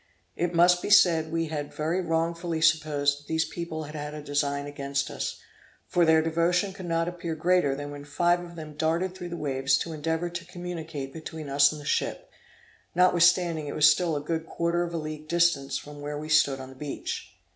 It must be said we had very wrongfully supposed that these people had had a design against us, for their devotion could not appear greater than when five of them darted through the waves to endeavor to communicate between us and the ship, notwithstanding it was still a good quarter of a league distant from where we stood on the beach.